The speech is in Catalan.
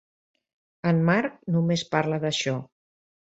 En Mark només parla d'això.